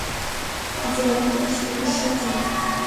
জন, তোমার সমস্যা কী?